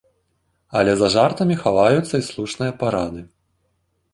Але за жартамі хаваюцца і слушныя парады.